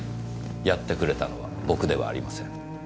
やってくれたのは僕ではありません。